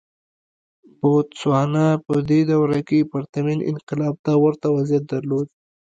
بوتسوانا په دې دوره کې پرتمین انقلاب ته ورته وضعیت درلود.